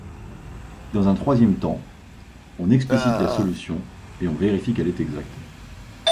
Dans un troisième temps, on explicite la solution et on vérifie qu'elle est exacte.